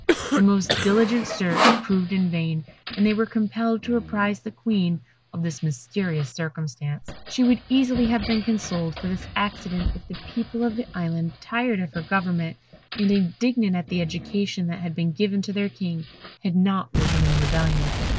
The most diligent search proved in vain, and they were compelled to apprise the Queen of this mysterious circumstance. She would easily have been consoled for this accident if the people of the Island, tired of her government, and indignant at the education that had been given to their King, had not risen in rebellion.